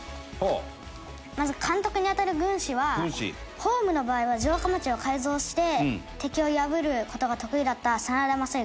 まず監督に当たる軍師はホームの場合は城下町を改造して敵を破る事が得意だった真田昌幸。